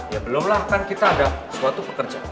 ya belum lah kan kita ada suatu pekerjaan